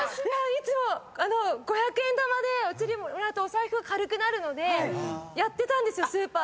いつも五百円玉でお釣りもらうとお財布軽くなるのでやってたんですよスーパーで。